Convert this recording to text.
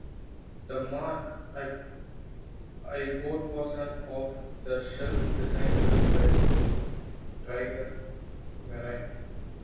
The mark I boat was an off the shelf design built by Tiger Marine.